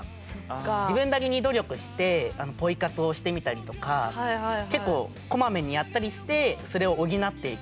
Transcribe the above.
自分なりに努力してポイ活をしてみたりとか結構、こまめにやったりしてそれを補っていく。